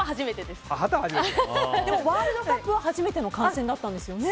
でもワールドカップは初めての観戦だったんですよね。